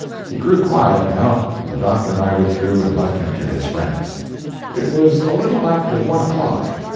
He grew quiet, now, and the doctor and I withdrew and left him to his friends. It was a little after one o'clock.